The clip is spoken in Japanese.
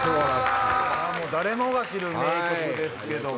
誰もが知る名曲ですけども。